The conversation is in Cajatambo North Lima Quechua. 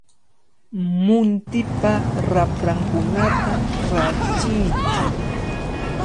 Muntipa raprankunata rachiytsu.